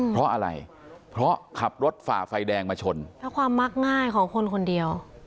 เพราะอะไรเพราะขับรถฝ่าไฟแดงมาชนเพราะความมักง่ายของคนคนเดียว